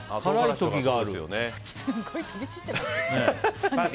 すごい飛び散ってますけど。